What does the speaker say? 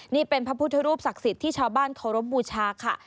นี่เป็นพระพุทธรูปศักดิ์สิทธิ์ที่ชาวบ้านเคารพบูชาค่ะ